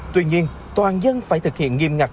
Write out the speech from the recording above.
tuy nhiên toàn dân phải thực hiện nghiêm ngặt